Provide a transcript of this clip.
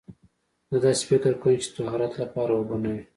زه داسې فکر کوم چې طهارت لپاره اوبه نه وي.